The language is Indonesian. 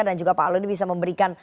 dan juga pak aluntri bisa memberikan